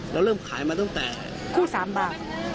เราเริ่มขายมาต่อแต่คู่๓บาท